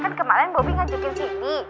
kan kemarin bubi ngajakin sindi